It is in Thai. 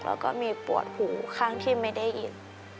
แล้วก็มีปวดหูข้างที่ไม่ได้ยิน